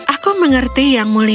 aku mengerti yang mulia